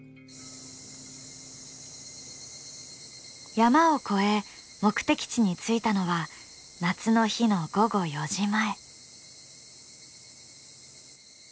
山を越え目的地に着いたのは夏の日の午後４時前。